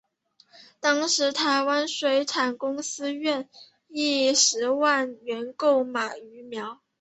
当时的台湾水产公司愿以十万元购买鱼苗。